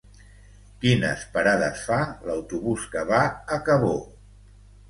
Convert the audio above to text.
Quines parades fa l'autobús que va a Cabó?